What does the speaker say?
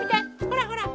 ほらほら。